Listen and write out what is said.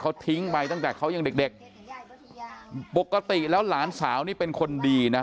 เขาทิ้งไปตั้งแต่เขายังเด็กเด็กปกติแล้วหลานสาวนี่เป็นคนดีนะ